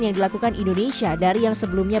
yang dilakukan indonesia dari yang sebelumnya